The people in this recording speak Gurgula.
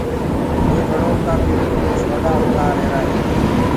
وي وڻو ڪآ پيڏو دي ڇوڏآ اُتآر رهيرآ هينٚ۔